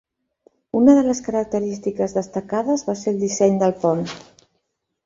Una de les característiques destacades va ser el disseny del pont.